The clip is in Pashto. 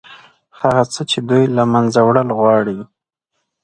هغه څه چې دوی له منځه وړل غواړي.